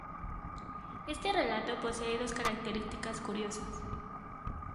Este relato posee dos características curiosas.